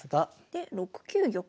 で６九玉。